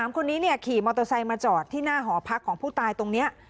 คนนี้ขี่มอเตอร์ไซค์มาจอดที่หน้าหอพักของผู้ตายตรงนี้